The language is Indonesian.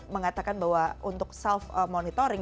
mengatakan bahwa untuk self monitoring